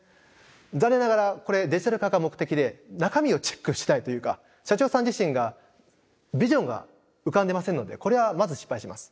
残念ながらこれデジタル化が目的で中身をチェックしていないというか社長さん自身がビジョンが浮かんでませんのでこれはまず失敗します。